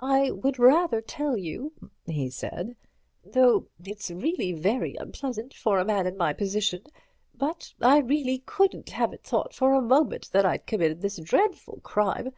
"I would rather tell you," he said, "though it's reelly very unpleasant for a man in my position. But I reelly couldn't have it thought for a moment that I'd committed this dreadful crime.